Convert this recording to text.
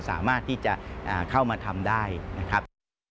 สามารถที่จะเข้ามาทำได้นะครับ